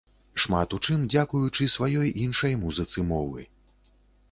Шмат у чым дзякуючы сваёй іншай музыцы мовы.